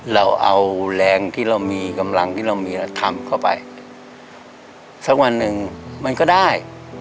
เราเอาแรงที่เรามีกำลังที่เรามีแล้วทำเข้าไปสักวันหนึ่งมันก็ได้